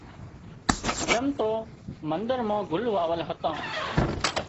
چم تو مندر مان گُل واول هتان